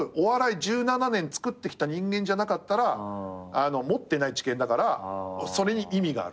１７年作ってきた人間じゃなかったら持ってない知見だからそれに意味があるっていう。